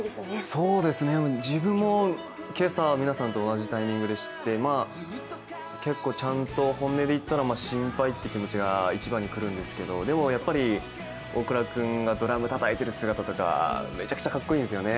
そうですね、自分も今朝皆さんと同じタイミングで知って結構ちゃんと本音で言ったら心配という気持ちが一番に来るんですけどでも、やっぱり大倉君がドラムたたいてる姿とか、めちゃくちゃかっこいいんですよね。